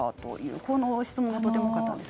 この質問もとても多かったです。